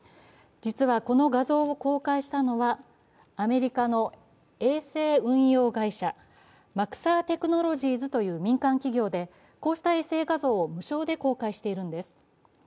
実は、この画像を公開したのはアメリカの衛星運用会社、マクサー・テクノロジーズという民間企業でこうした衛星画像を無償で公開しているんです。